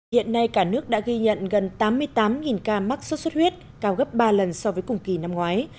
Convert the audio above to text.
hiện nay cả nước đã ghi nhận gần tám mươi tám ca mắc sốt xuất huyết cao gấp ba lần so với cùng kỳ năm ngoái